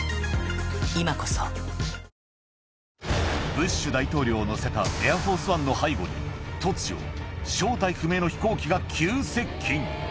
ブッシュ大統領を乗せたエアフォースワンの背後に、突如、正体不明の飛行機が急接近。